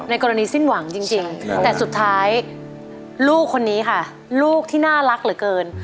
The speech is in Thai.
กรณีสิ้นหวังจริงแต่สุดท้ายลูกคนนี้ค่ะลูกที่น่ารักเหลือเกิน